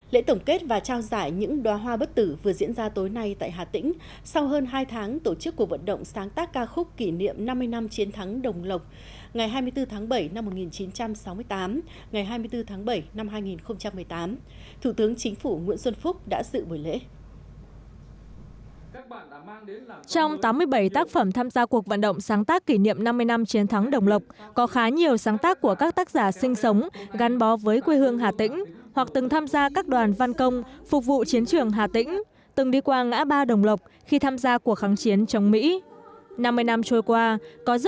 lễ tổng kết và trao giải những đoá hoa bất tử vừa diễn ra tối nay tại hà tĩnh sau hơn hai tháng tổ chức cuộc vận động sáng tác ca khúc kỷ niệm năm mươi năm chiến thắng đồng lộc ngày hai mươi bốn tháng bảy năm một nghìn chín trăm sáu mươi tám ngày hai mươi bốn tháng bảy năm hai nghìn một mươi tám thủ tướng chính phủ nguyễn xuân phúc đã sự bồi lễ